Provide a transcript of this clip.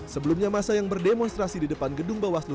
sebelumnya masa yang berdemonstrasi di depan gedung bawaslu